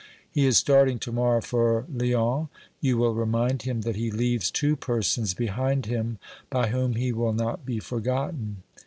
He is starting to morrow for Lyons. You will remind him that he leaves two persons behind him by whom he will not be forgotten.